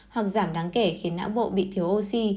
hoặc giảm đáng kể khiến não bộ bị thiếu oxy